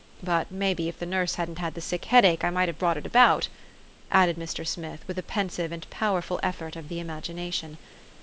But maybe, if the nurse hadn't had the sick headache, I might have brought it about," added Mr. Smith, with a pensive and powerful effort of the imagination.